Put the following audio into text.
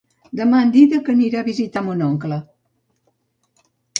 Demà en Dídac anirà a visitar mon oncle.